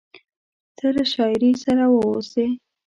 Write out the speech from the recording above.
ته له شاعري سره واوسې…